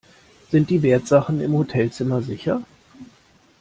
Sind die Wertsachen im Hotelzimmer sicher?